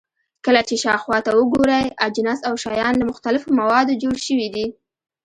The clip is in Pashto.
کله چې شاوخوا ته وګورئ، اجناس او شیان له مختلفو موادو جوړ شوي دي.